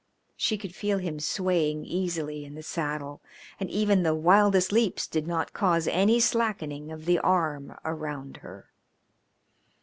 She could feel him swaying easily in the saddle, and even the wildest leaps did not cause any slackening of the arm around her.